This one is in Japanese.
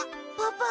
パパ！